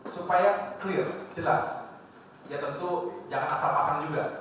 supaya clear jelas ya tentu jangan asal pasang juga